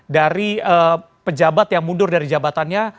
dari pejabat yang mundur dari jabatannya